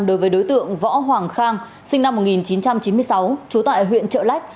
đối với đối tượng võ hoàng khang sinh năm một nghìn chín trăm chín mươi sáu trú tại huyện trợ lách